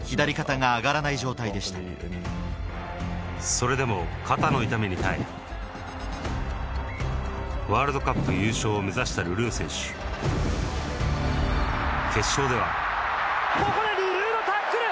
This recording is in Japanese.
それでも肩の痛みに耐えワールドカップ優勝を目指したルルー選手決勝ではここでルルーのタックル！